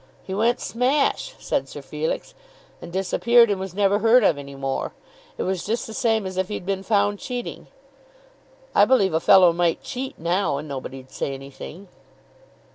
"He went smash," said Sir Felix, "and disappeared and was never heard of any more. It was just the same as if he'd been found cheating. I believe a fellow might cheat now and nobody'd say anything!"